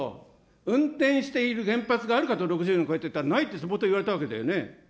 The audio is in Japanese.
運転している原発があるかと、６０年を超えてと言われたら、ないと言われたわけだよね。